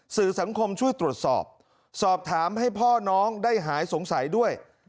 สื่อสังคมช่วยตรวจสอบสอบถามให้พ่อน้องได้หายสงสัยด้วย